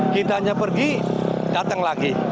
kita hanya pergi datang lagi